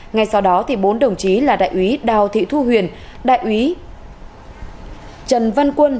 ngay sau đó bốn đồng chí là đại úy đào thị thu huyền đại úy trần văn quân